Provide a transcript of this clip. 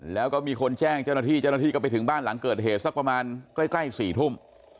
แล้วก็มีคนแจ้งเจ้าหน้าที่เจ้าหน้าที่ก็ไปถึงบ้านหลังเกิดเหตุสักประมาณใกล้๔ทุ่ม